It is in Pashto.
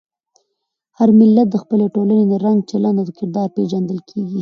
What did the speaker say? هر ملت د خپلې ټولنې له رنګ، چلند او کردار پېژندل کېږي.